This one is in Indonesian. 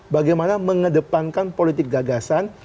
bagaimana mengedepankan politik gagasan